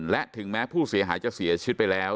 และถึงแม้ผู้เสียหายจะเสียชีวิตไปแล้ว